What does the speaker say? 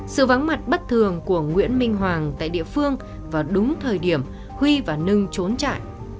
sự vắng mặt bất thường của nguyễn minh hoàng tại địa phương vào đúng thời điểm huy và nâng trốn trại